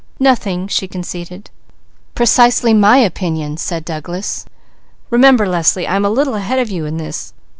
"Nothing," she conceded. "Precisely my opinion," said Douglas. "Remember Leslie I am a little ahead of you in this.